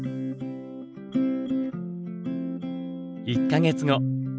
１か月後。